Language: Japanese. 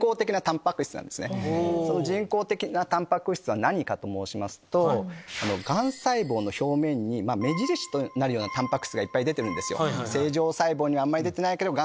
その人工的なタンパク質は何かと申しますとがん細胞の表面に目印となるようなタンパク質がいっぱい出てるんですよ。